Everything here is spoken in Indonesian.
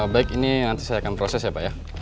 baik ini nanti saya akan proses ya pak ya